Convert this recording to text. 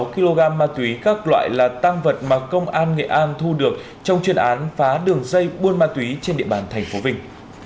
sáu kg ma túy các loại là tăng vật mà công an nghệ an thu được trong chuyên án phá đường dây buôn ma túy trên địa bàn tp vinh